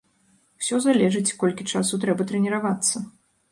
Усё залежыць, колькі часу трэба трэніравацца.